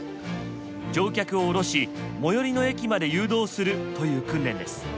乗客を下ろし最寄りの駅まで誘導するという訓練です。